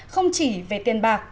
không chỉ về tiền bạc